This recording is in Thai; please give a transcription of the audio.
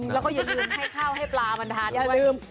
แล้วก็อย่าลืมให้ข้าวให้ปลามันทานอย่าลืม